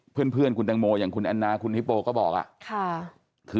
เพื่อนคุณแตงโมอย่างคุณแอนนาคุณฮิปโปก็บอก